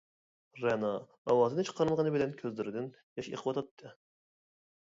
رەنا ئاۋازىنى چىقارمىغىنى بىلەن، كۆزلىرىدىن ياش ئېقىۋاتاتتى.